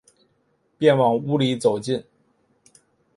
便往屋里走进